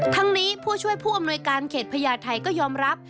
ทั้งนี้ผู้ช่วยผู้อำนวยการเขตพญาไทยก็ยอมรับ